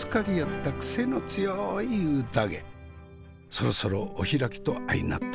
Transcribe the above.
そろそろお開きと相成った。